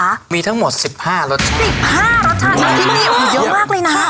หัวตรงนี้เอาเยอะมากเลยนะ